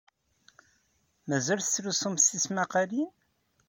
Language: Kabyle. Mazal tettlusumt tismaqqalin?